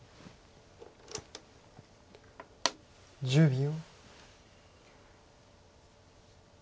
１０秒。